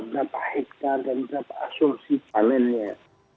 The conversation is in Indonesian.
berapa hektare dan berapa asumsi panennya